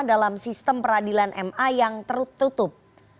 dalam sistem peradilan ma yang tertutup